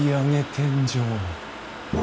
天井。